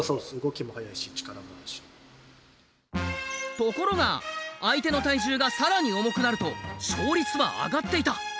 ところが相手の体重が更に重くなると勝率は上がっていた。